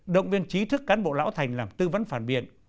động viên trí thức cán bộ lão thành làm tư vấn phản biện